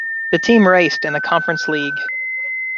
The team raced in the Conference League.